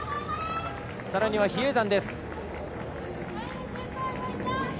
さらには比叡山。